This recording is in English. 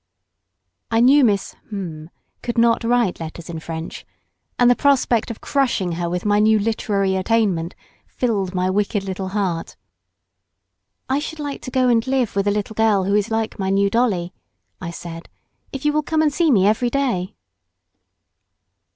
I knew Miss —— could not write letters in French, and the prospect of crushing her with my new literary attainment filled my wicked little heart. "I should like to go and live with the little girl who is like my new dollie," I said, "if you will come and see me every day."